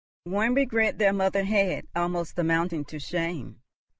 One regret their mother had, almost amounting to shame.